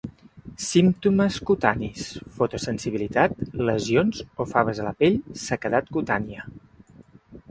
Símptomes cutanis: fotosensibilitat, lesions o faves a la pell, sequedat cutània.